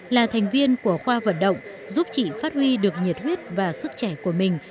là thành viên của khoa vận động giúp chị phát huy được nhiệt huyết và sức trẻ của mình